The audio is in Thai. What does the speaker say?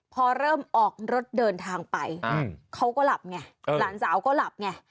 พอเริ่มออกรถเดินทางไปเขาก็หลับไงหลานสาวก็หลับไง